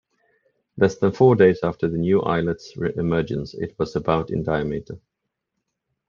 Less than four days after the new islet's emergence, it was about in diameter.